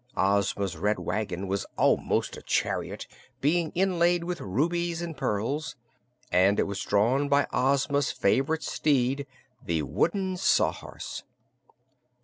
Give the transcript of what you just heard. Ozma's Red Wagon was almost a chariot, being inlaid with rubies and pearls, and it was drawn by Ozma's favorite steed, the wooden Sawhorse.